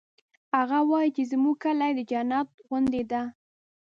هغه وایي چې زموږ کلی د جنت غوندی ده